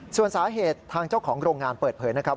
ส่วนสาเหตุทางเจ้าของโรงงานเปิดเผยนะครับ